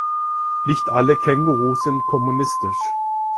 Nicht alle Kängurus sind kommunistisch.